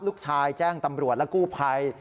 ลูกชายแจ้งตำรวจและกู้ภัย